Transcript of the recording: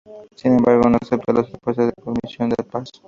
Sin embargo, no aceptó las propuestas de la Comisión de Paz.